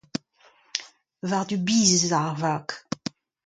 War du Biz ez a ar vag.